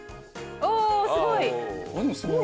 おおすごい！